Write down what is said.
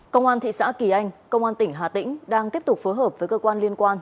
công an thị xã kỳ anh công an tỉnh hà tĩnh đang tiếp tục phối hợp với cơ quan liên quan